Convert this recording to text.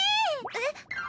えっ？